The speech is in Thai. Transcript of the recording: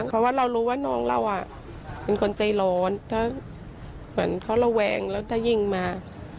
เพราะว่าเรารู้ว่าน้องเราเป็นคนใจร้อนถ้าเหมือนเขาระแวงแล้วถ้ายิงมา